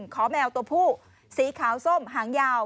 แมวตัวผู้สีขาวส้มหางยาว